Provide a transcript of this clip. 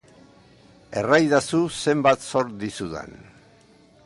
Erraidazu zenbat zor dizudan.